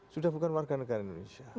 sudah bukan warga negara indonesia